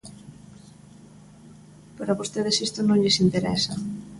Pero a vostedes isto non lles interesa.